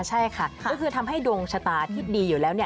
ใช่ค่ะก็คือทำให้ดวงชะตาที่ดีอยู่แล้ว